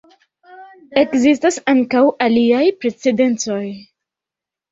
Ekzistas ankaŭ aliaj precedencoj.